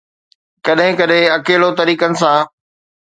ڪڏهن ڪڏهن اڪيلو طريقن سان